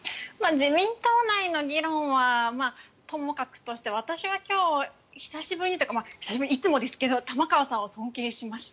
自民党内の議論はともかくとして私は今日、久しぶりにというかいつもですけど玉川さんを尊敬しました。